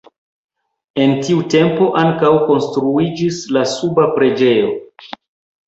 En tiu tempo ankaŭ konstruiĝis la suba preĝejo.